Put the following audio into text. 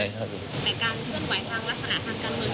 ในการคุ้นไหวความลักษณะทางการเงิน